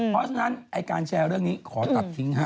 เพราะฉะนั้นไอ้การแชร์เรื่องนี้ขอตัดทิ้งฮะ